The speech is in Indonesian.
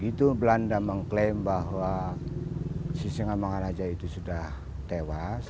begitu belanda mengklaim bahwa si singamangaraja itu sudah tewas